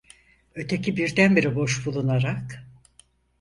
Öteki birdenbire boş bulunarak: